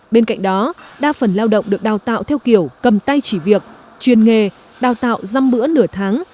bên cạnh đó đa phần lao động được đào tạo theo kiểu cầm tay chỉ việc chuyên nghề đào tạo dăm bữa nửa tháng